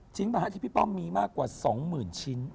ที่พี่ป้อมมีมากกว่า๒๐๐๐ชิ้น